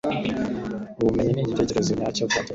ubumenyi ni igitekerezo nyacyo. - platon